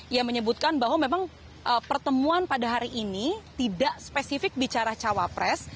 ia menyebutkan bahwa memang pertemuan pada hari ini tidak spesifik bicara cawapres